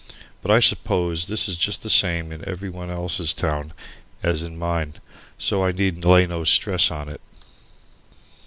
But I suppose this is just the same in every one else's town as in mine, so I need lay no stress on it.